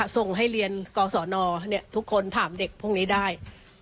ส่งให้เรียนกศนทุกคนถามเด็กพวกนี้ได้